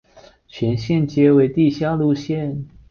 全线皆为地下路线。